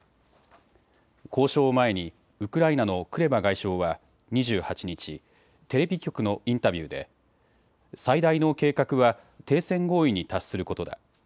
交渉を前にウクライナのクレバ外相は２８日、テレビ局のインタビューで最大の計画は停戦合意に達することだ。